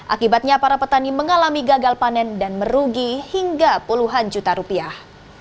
akibatnya para petani mengalami gagal panen dan merugi hingga puluhan juta rupiah